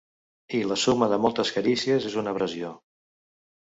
I "la suma de moltes carícies és una abrasió".